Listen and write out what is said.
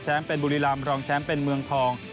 เป็นบุรีรำรองแชมป์เป็นเมืองทอง